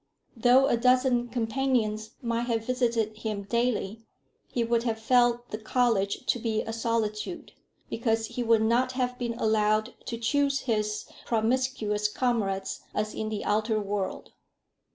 Though a dozen companions might have visited him daily, he would have felt the college to be a solitude, because he would not have been allowed to choose his promiscuous comrades as in the outer world.